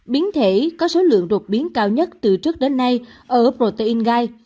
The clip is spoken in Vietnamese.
biến thể có số lượng đột biến cao nhất từ trước đến nay ở protein gai